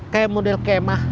kayak model kemah